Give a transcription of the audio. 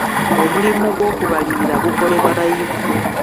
Omulimu gw'okubalirira gukolebwa bayivu.